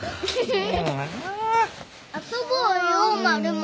遊ぼうよマルモ。